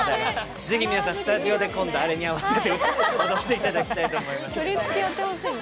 ぜひ皆さんスタジオで今度あれに合わせて踊っていただきたいと思います。